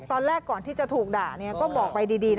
ตอนแรกก่อนที่จะถูกด่าก็บอกไปดี